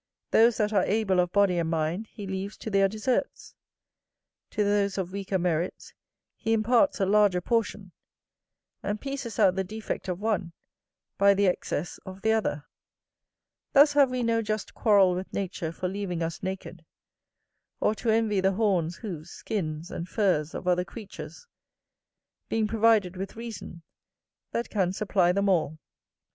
Those that are able of body and mind he leaves to their deserts; to those of weaker merits he imparts a larger portion; and pieces out the defect of one by the excess of the other. Thus have we no just quarrel with nature for leaving us naked; or to envy the horns, hoofs, skins, and furs of other creatures; being provided with reason, that can supply them all.